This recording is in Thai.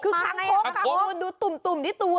คือคางคกค่ะคุณดูตุ่มที่ตัว